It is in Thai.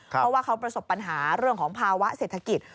เพราะว่าเขาประสบปัญหาเรื่องของภาวะเศรษฐกิจ